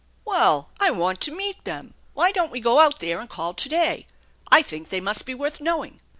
" Well, I want to meet them. Why don't we go out there and call to day? I think they must be worth knowing."